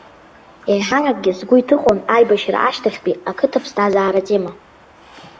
Еиҳаракгьы сгәы иҭыхон аибашьра ашьҭахьтәи ақыҭа ԥсҭазаара атема.